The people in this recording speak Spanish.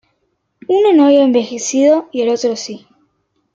Uno no había envejecido y el otro si.